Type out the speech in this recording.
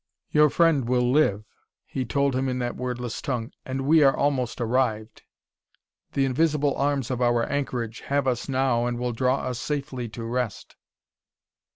"Your friend will live," he told him in that wordless tongue, "and we are almost arrived. The invisible arms of our anchorage have us now and will draw us safely to rest."